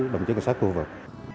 đồng chí cảnh sát khu vực